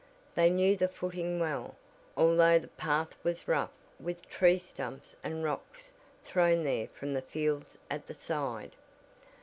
They knew the footing well, although the path was rough with tree stumps and rocks thrown there from the fields at the side.